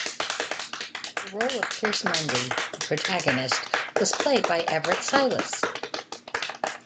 The role of Pierce Mundy, the protagonist, was played by Everett Silas.